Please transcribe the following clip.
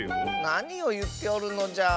なにをいっておるのじゃ。